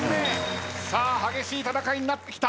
激しい戦いになってきた。